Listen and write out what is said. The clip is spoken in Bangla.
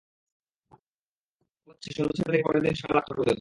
পুরোনো লাইনে দেওয়া হচ্ছে সন্ধ্যা ছয়টা থেকে পরের দিন সকাল আটটা পর্যন্ত।